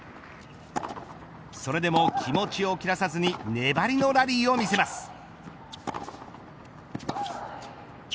それでも気持ちを切らさずに粘りのラリーを見せます。